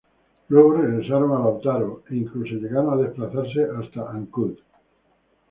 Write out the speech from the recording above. Luego regresaron a Lautaro, e incluso llegaron a desplazarse hasta Ancud.